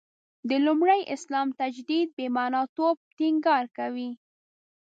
د لومړي اسلام تجدید «بې معنا» توب ټینګار کوي.